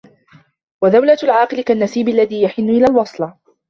وَدَوْلَةُ الْعَاقِلِ كَالنَّسِيبِ الَّذِي يَحِنُّ إلَى الْوَصْلَةِ